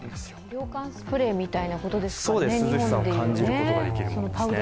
涼感スプレーみたいなものですかね。